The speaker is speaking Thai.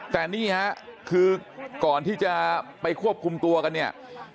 แต่นี่ฮะคือก่อนที่จะไปควบคุมตัวกันเนี่ย